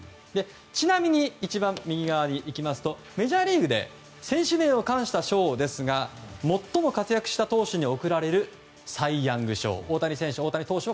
ちなみに、一番右側にいきますとメジャーリーグで選手名を冠した賞ですが最も活躍した投手に贈られるサイ・ヤング賞。